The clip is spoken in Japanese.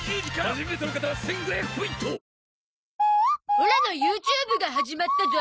オラの ＹｏｕＴｕｂｅ が始まったゾ